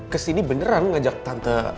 kesini beneran ngajak tante